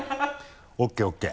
ＯＫＯＫ。